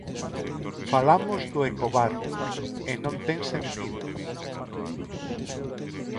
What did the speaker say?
Falamos do ecobarrio, e non ten sentido.